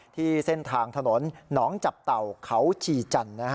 ที่เส้นทางถนนหนองจับเต่าเขาชีจันทร์